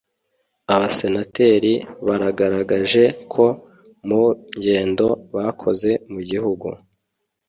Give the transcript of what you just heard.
Abasenateri bagaragaje ko mu ngendo bakoze mu gihugu